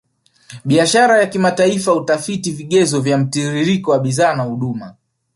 Biashara ya kimataifa hutafiti vigezo vya mtiririko wa bidhaa na huduma